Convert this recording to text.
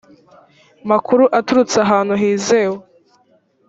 makuru aturutse ahantu hizewe